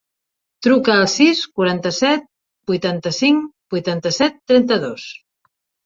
Truca al sis, quaranta-set, vuitanta-cinc, vuitanta-set, trenta-dos.